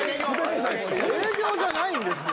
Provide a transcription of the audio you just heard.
営業じゃないんですよ。